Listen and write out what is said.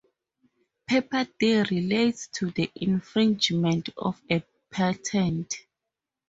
Paper D relates to the infringement of a patent.